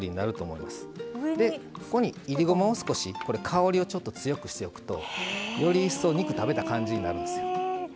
香りをちょっと強くしておくとより一層肉食べた感じになるんですよ。